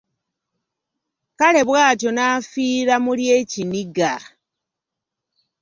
Kale bwatyo n’afiira muli ekiniga.